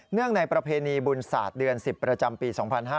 ในประเพณีบุญศาสตร์เดือน๑๐ประจำปี๒๕๕๙